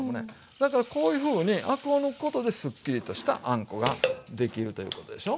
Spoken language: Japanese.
だからこういうふうにアクを抜くことでスッキリとしたあんこができるということでしょ。